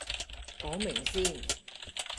講明先